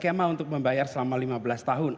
skema untuk membayar selama lima belas tahun